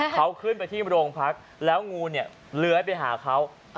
เขาขึ้นไปที่โรงพักแล้วงูเนี่ยเลื้อยไปหาเขา